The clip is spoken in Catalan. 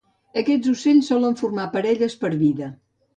Aquests ocells solen formar parelles per vida.